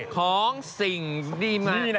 ของสิ่งที่มามีชีวิต